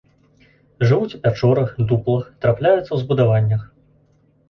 Жывуць у пячорах, дуплах, трапляюцца ў збудаваннях.